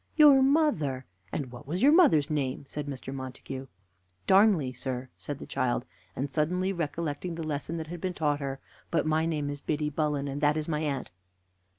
"Your mother! And what was your mother's name?" said Mr. Montague. "Darnley, sir," said the child, and suddenly recollecting the lesson that had been taught her "but my name is Biddy Bullen, and that is my aunt."